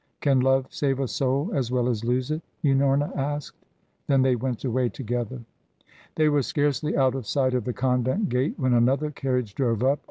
"Can love save a soul as well as lose it?" Unorna asked. Then they went away together. They were scarcely out of sight of the convent gate when another carriage drove up.